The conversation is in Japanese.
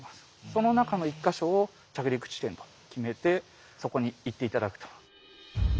その中の１か所を着陸地点と決めてそこに行って頂くと。